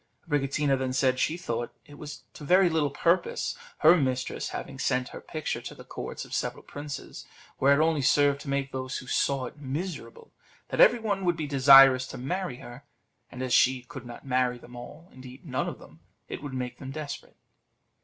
Abricotina then said she thought it was to very little purpose her mistress having sent her picture to the courts of several princes, where it only served to make those who saw it miserable; that every one would be desirous to marry her, and as she could not marry them all, indeed none of them, it would make them desperate.